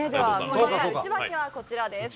内訳はこちらです。